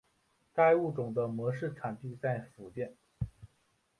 该物种的模式产地在福建。